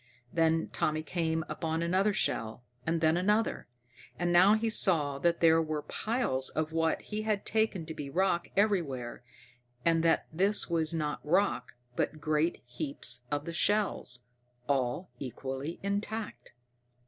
Then Tommy came upon another shell, and then another. And now he saw that there were piles of what he had taken to be rock everywhere, and that this was not rock but great heaps of the shells, all equally intact.